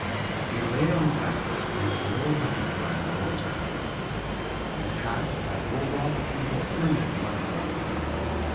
He lay on his back on a low bank by the roadside. His hat had rolled off into a pool of muddy water.